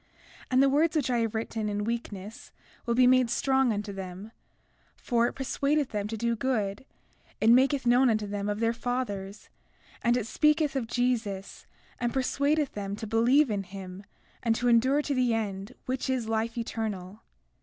And the words which I have written in weakness will be made strong unto them; for it persuadeth them to do good; it maketh known unto them of their fathers; and it speaketh of Jesus, and persuadeth them to believe in him, and to endure to the end, which is life eternal.